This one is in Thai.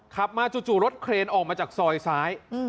ขับมาจู่รถเครนออกมาจากซอยซ้าย